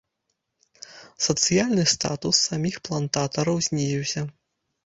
Сацыяльны статус саміх плантатараў знізіўся.